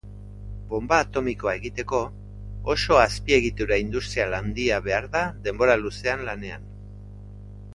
Bonba atomikoa egiteko, oso azpiegitura industrial handia behar da denbora luzean lanean.